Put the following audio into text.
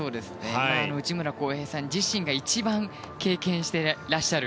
内村航平さん自身が一番経験していらっしゃる